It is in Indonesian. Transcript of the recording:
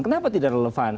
kenapa tidak relevan